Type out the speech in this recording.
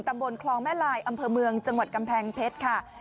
ตำบลคลองแม่ลายอำเภอเมืองจังหวัดกำแพงเพชรค่ะ